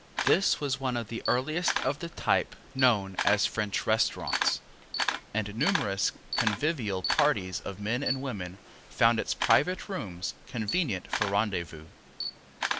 This was one of the earliest of the type known as "French Restaurants," and numerous convivial parties of men and women found its private rooms convenient for rendezvous.